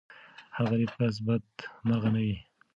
هر غریب کس بدمرغه نه وي.